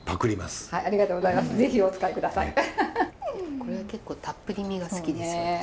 これは結構たっぷりめが好きです私。